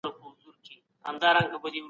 د دغي ودانۍ په چت کي مي د شکر بیرغ ولیدی.